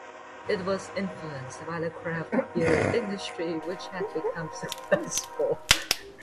It was influenced by the craft beer industry which had become successful.